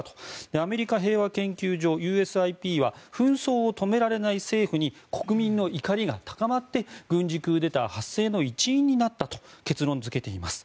アメリカ平和研究所・ＵＳＩＰは紛争を止められない政府に国民の怒りが高まって軍事クーデター発生の一因になったと結論付けています。